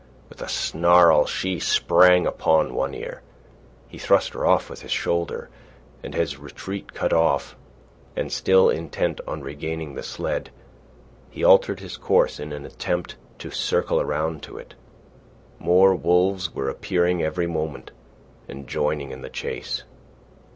With a snarl she sprang upon One Ear. He thrust her off with his shoulder, and, his retreat cut off and still intent on regaining the sled, he altered his course in an attempt to circle around to it. More wolves were appearing every moment and joining in the chase.